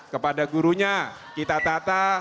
kepada gurunya kita tata